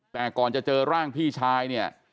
แต่ก่อนจะเจอร่างพี่ชายเนี่ย